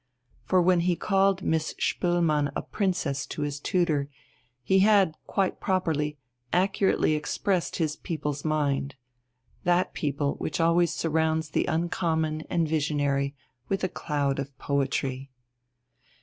For when he called Miss Spoelmann a "princess" to his tutor, he had, quite properly, accurately expressed his people's mind that people which always surrounds the uncommon and visionary with a cloud of poetry.